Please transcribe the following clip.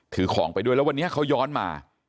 ถือของไปด้วยแล้ววันนี้เขาย้อนมา